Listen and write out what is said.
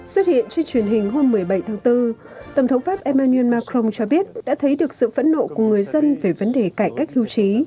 xuất hiện trên truyền hình hôm một mươi bảy tháng bốn tổng thống pháp emmanuel macron cho biết đã thấy được sự phẫn nộ của người dân về vấn đề cải cách hưu trí